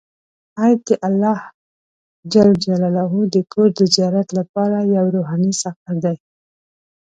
حج د الله د کور د زیارت لپاره یو روحاني سفر دی.